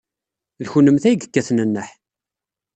D kennemti ay yekkaten nneḥ.